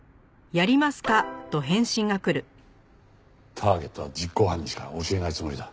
ターゲットは実行犯にしか教えないつもりだ。